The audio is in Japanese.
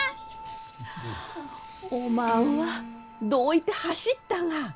おまんはどういて走ったが！